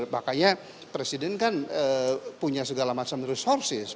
makanya presiden kan punya segala macam resources